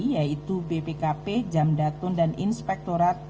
yaitu bpkp jamdatun dan inspektorat